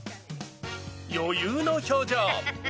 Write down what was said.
余裕の表情。